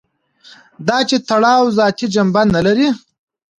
دا چې تړاو ذاتي جنبه نه لري.